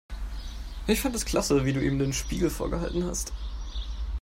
Ich fand es klasse, wie du ihm den Spiegel vorgehalten hast.